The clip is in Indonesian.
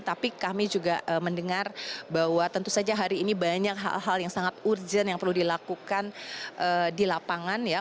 tapi kami juga mendengar bahwa tentu saja hari ini banyak hal hal yang sangat urgent yang perlu dilakukan di lapangan ya